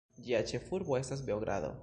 Ĝia ĉefurbo estas Beogrado.